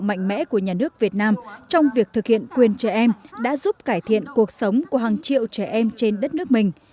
mạnh mẽ của nhà nước việt nam trong việc thực hiện quyền trẻ em đã giúp cải thiện cuộc sống của hàng triệu trẻ em trên đất nước mình